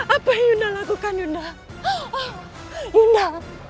apa yang kau lakukan yunda